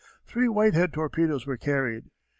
Three Whitehead torpedoes were carried.